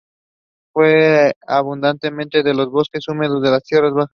Crece abundantemente en los bosques húmedos de tierras bajas.